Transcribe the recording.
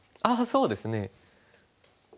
ああそうですね。